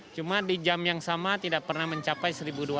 cuma di jam yang sama tidak pernah mencapai satu dua ratus